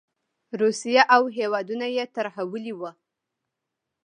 روسیه او هېوادونه یې ترهولي وو.